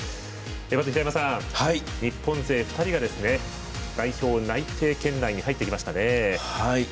まず平山さん、日本勢２人が代表内定圏内に入ってきましたね。